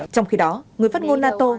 trong khi đó người phát ngôn nato